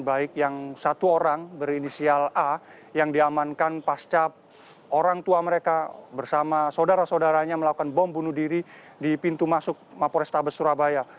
baik yang satu orang berinisial a yang diamankan pasca orang tua mereka bersama saudara saudaranya melakukan bom bunuh diri di pintu masuk mapo restabes surabaya